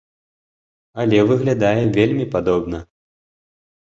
Але выглядае вельмі падобна.